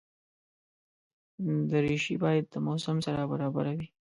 دریشي باید د موسم سره برابره وي.